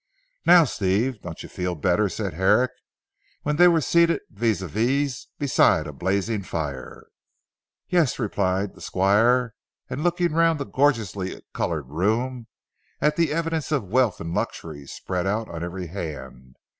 "Now Steve, don't you feel better?" said Herrick when they were seated vis à vis beside a blazing fire. "Yes," replied the Squire and looking round the gorgeously coloured room, at the evidence of wealth and luxury spread out on every hand.